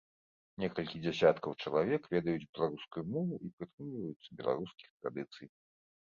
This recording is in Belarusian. Некалькі дзясяткаў чалавек ведаюць беларускую мову і прытрымліваюцца беларускіх традыцый.